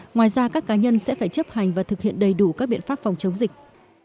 ngoài ra các cá nhân sẽ phải chấp hành và thực hiện đầy đủ các biện pháp phòng chống dịch